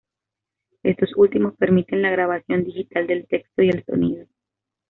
Estos últimos permiten la grabación digital del texto y el sonido.